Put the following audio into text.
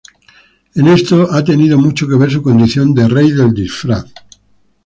En esto ha tenido mucho que ver su condición de rey del disfraz.